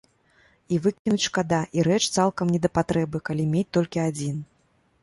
І выкінуць шкада, і рэч цалкам не да патрэбы, калі мець толькі адзін.